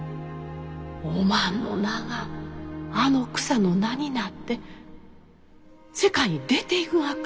おまんの名があの草の名になって世界に出ていくがか？